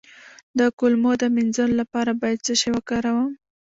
د کولمو د مینځلو لپاره باید څه شی وکاروم؟